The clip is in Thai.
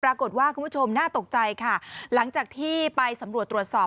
ปรากฏว่าคุณผู้ชมน่าตกใจหลังจากที่ไปสำรวจตรวจสอบ